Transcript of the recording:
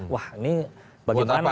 wah ini bagaimana saya mau